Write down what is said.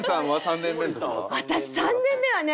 私３年目はね